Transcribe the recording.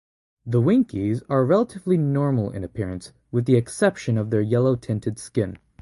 The Winkies are relatively normal in appearance with the exception of their yellow-tinted skin.